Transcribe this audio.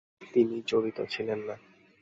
তিনি জড়িত ছিলেন না।